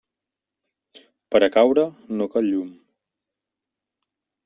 Per a caure no cal llum.